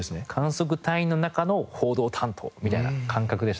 観測隊員の中の報道担当みたいな感覚でしたこの時は。